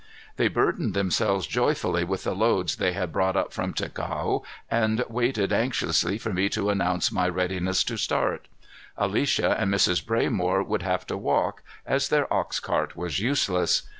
They burdened themselves joyfully with the loads they had brought up from Ticao and waited anxiously for me to announce my readiness to start. Alicia and Mrs. Braymore would have to walk, as their ox cart was useless.